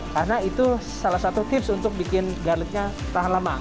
karena itu salah satu tips untuk bikin garlicnya tahan lama